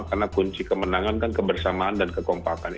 karena kunci kemenangan kan kebersamaan dan kekompakan